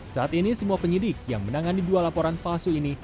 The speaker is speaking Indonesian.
saat ini semua penyidik yang menangani dua laporan palsu ini